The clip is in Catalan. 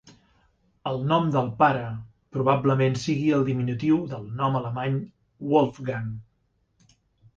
El nom del pare probablement sigui el diminutiu del nom alemany Wolfgang.